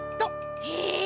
へえ！